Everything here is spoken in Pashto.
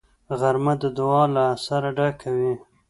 غرمه د دعا له اثره ډکه وي